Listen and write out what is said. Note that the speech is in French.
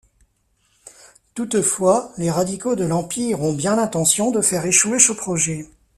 Toutefois, les radicaux de l'Empire ont bien l'intention de faire échouer ce projet.